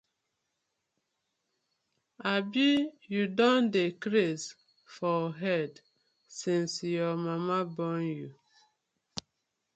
Abi yu don dey craze for head since yur mama born yu.